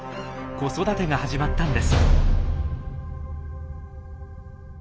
子育てが始まったんです。